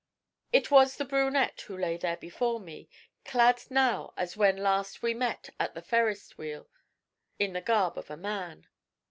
It was the brunette who lay there before me, clad now as when last we met at the Ferris Wheel, in the garb of a man.